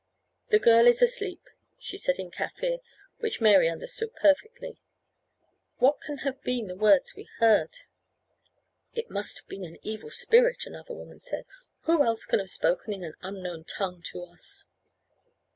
"The girl is asleep," she said in Kaffir, which Mary understood perfectly; "what can have been the words we heard?" "It must have been an evil spirit," another woman said; "who else can have spoken in an unknown tongue to us?"